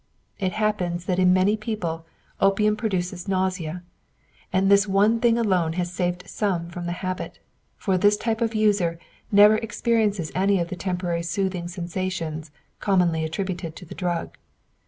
It happens that in many people opium produces nausea, and this one thing alone has saved some from the habit; for this type of user never experiences any of the temporarily soothing sensations commonly attributed to the drug.